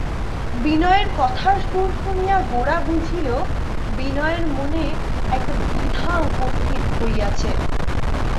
বিনয়ের কথার সুর শুনিয়া গোরা বুঝিল, বিনয়ের মনে একটা দ্বিধা উপস্থিত হইয়াছে।